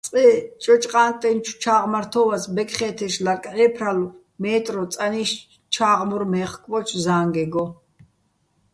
წყე ჭოჭოყა́ტტენჩო̆ ჩა́ღმართო́ვას ბეკხე́თეშ ლარკ ჺე́ფრალო̆ მე́ტრო წანი́შ ჩა́ღმურ მე́ხკბოჩო̆ ზა́ნგეგო.